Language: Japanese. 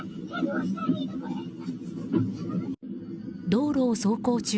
道路を走行中